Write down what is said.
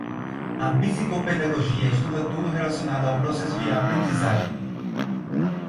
A psicopedagogia estuda tudo relacionado ao processo de aprendizagem.